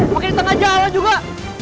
makin di tengah jalan juga